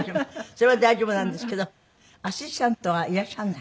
それは大丈夫なんですけどアシスタントがいらっしゃらない。